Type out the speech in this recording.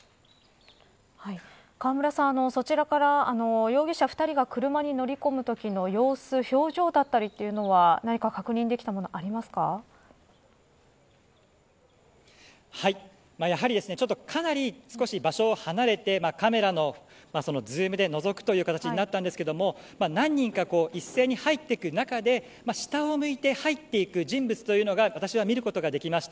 河村さん、そちらから容疑者２人が車に乗り込むときの様子表情だったりというのは何か確認できたものがやはり、かなり少し場所を離れてカメラのズームでのぞくという形になったんですけれども何人か一斉に入っていく中で下を向いて入っていく人物というのが私は見ることができました。